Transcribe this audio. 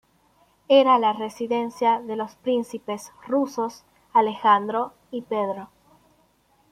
Era la residencia de los príncipes rusos Alejandro y Pedro.